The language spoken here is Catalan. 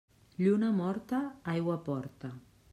Lluna morta aigua porta.